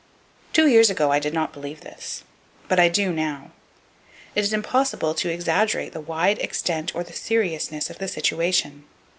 Two years ago, I did not believe this; but I do now. It is impossible to exaggerate the wide extent or the seriousness of this situation.